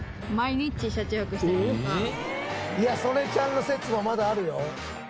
いや曽根ちゃんの説もまだあるよ。